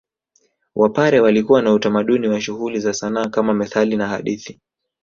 Wapare walikuwa na utamaduni wa shughuli za sanaa kama methali na hadithi